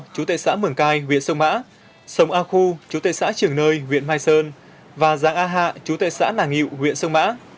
chú tây xã mường cai huyện sông mã sọng a khu chú tây xã trường nơi huyện mai sơn và giang a hạ chú tây xã nàng nghịu huyện sông mã